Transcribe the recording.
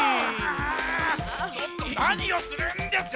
ちょっとなにをするんですか！